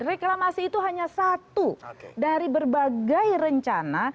reklamasi itu hanya satu dari berbagai rencana